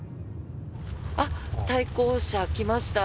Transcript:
対向車、来ました。